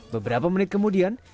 beberapa menit kemudian